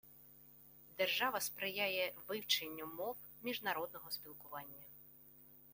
Держава сприяє вивченню мов міжнародного спілкування.